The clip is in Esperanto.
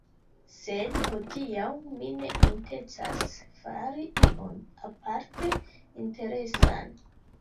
Sed, hodiaŭ mi ne intencas fari ion aparte interesan